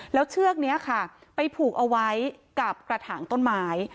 แล้วเชือกนี้ค่ะไปผูกเอาไว้กับกระถางต้นไม้